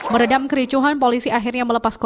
meredam kericuhan polisi akhirnya melepaskan